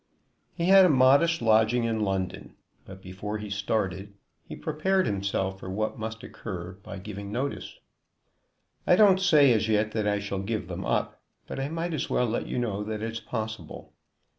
He had a modest lodging in London, but before he started he prepared himself for what must occur by giving notice. "I don't say as yet that I shall give them up; but I might as well let you know that it's possible."